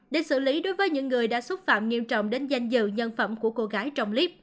để xử lý đối với những người đã xúc phạm nghiêm trọng đến danh dự nhân phẩm của cô gái trong clip